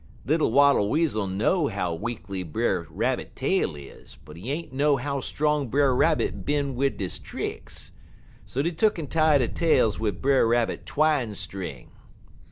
Little Wattle Weasel know how weakly Brer Rabbit tail is, but he ain't know how strong Brer Rabbit bin wid he tricks. So dey tuck'n tie der tails wid Brer Rabbit twine string.